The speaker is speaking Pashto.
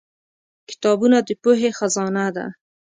کتابونه د پوهې خزانه ده.